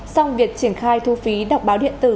song việc triển khai thu phí đọc báo điện tử